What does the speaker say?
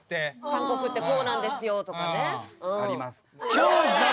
韓国ってこうなんですよとかね。あります。